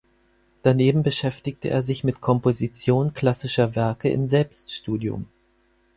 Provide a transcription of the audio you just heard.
Daneben beschäftigte er sich mit Komposition klassischer Werke im Selbststudium.